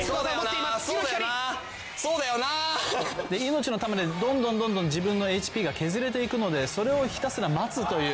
いのちのたまでどんどん自分のＨＰが削れていくのでそれをひたすら待つという。